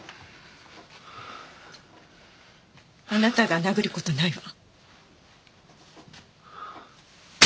あなたが殴る事ないわ。